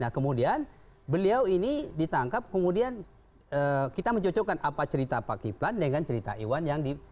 nah kemudian beliau ini ditangkap kemudian kita mencocokkan apa cerita pak kiplan dengan cerita iwan yang di